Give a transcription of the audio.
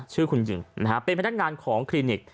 ชื่อคุณหญิงนะฮะเป็นพนักงานของคลินิก